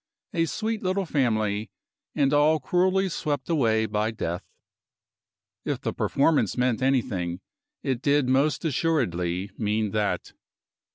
A sweet little family, and all cruelly swept away by death. If the performance meant anything, it did most assuredly mean that.